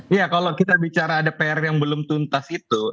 iya kalau kita bicara ada pr yang belum tuntas itu